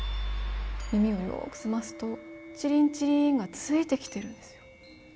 耳をよく澄ますと、チリンチリンがついてきてるんですよ。